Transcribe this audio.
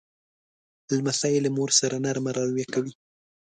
لمسی له مور سره نرمه رویه کوي.